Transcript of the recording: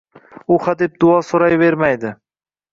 U hadeb duo so‘rayvermaydi.